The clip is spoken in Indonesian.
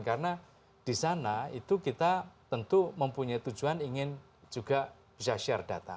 karena di sana itu kita tentu mempunyai tujuan ingin juga bisa share data